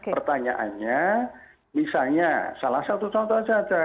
pertanyaannya misalnya salah satu contoh saja